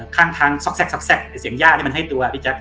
ข้างทางซักแจ็ดเสี่ยงย่ามันให้ตัว